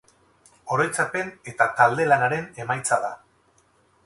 Oroitzapen eta talde-lanaren emaitza da.